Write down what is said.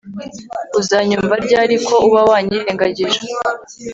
uzanyumva ryari ko uba wanyirengagije